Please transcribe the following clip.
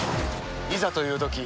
いざというとき